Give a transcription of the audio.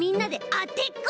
あてっこ？